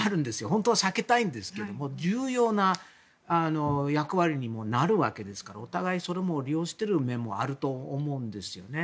本当は避けたいんですけども重要な役割にもなるわけですからお互いそれも利用している面もあると思うんですよね。